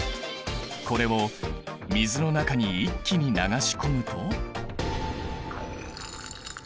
これを水の中に一気に流し込むと。